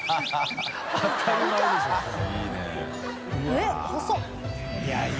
えっ細い！